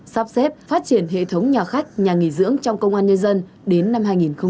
sắp xếp phát triển hệ thống nhà khách nhà nghỉ dưỡng trong công an nhân dân đến năm hai nghìn hai mươi